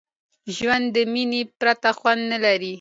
ژوند د میني پرته خوند نه لري.